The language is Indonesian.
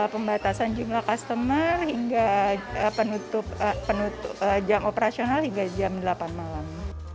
pembatasan jumlah customer hingga jam operasional hingga jam delapan malam